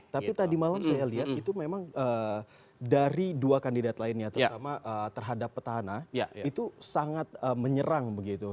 tapi tadi malam saya lihat itu memang dari dua kandidat lainnya terutama terhadap petahana itu sangat menyerang begitu